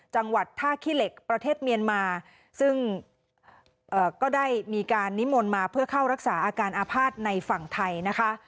จังหวัดท่าขี้เหล็กประเทศเมียนมาซึ่งก็ได้มีการนิมนต์มาเพื่อเข้ารักษาอาการอาภาษณ์ในฝั่งไทยนะคะ